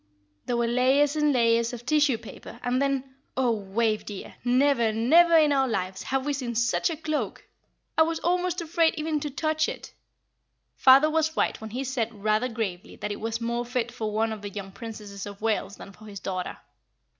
"There were layers and layers of tissue paper, and then oh, Wave, dear! never, never in all our lives have we seen such a cloak! I was almost afraid even to touch it. Father was right when he said rather gravely that it was more fit for one of the young Princesses of Wales than for his daughter.